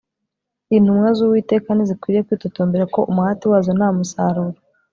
Intumwa zUwiteka ntizikwiriye kwitotombera ko umuhati wazo nta musaruro